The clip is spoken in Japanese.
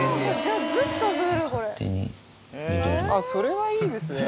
それはいいですね。